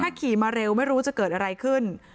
ถ้าขี่มาเร็วไม่รู้จะเกิดอะไรขึ้น